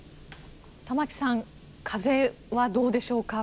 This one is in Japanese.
玉城さん風はどうでしょうか。